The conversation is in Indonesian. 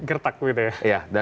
gertak begitu ya